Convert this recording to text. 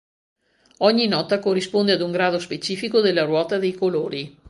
Ogni nota corrisponde ad un grado specifico della ruota dei colori.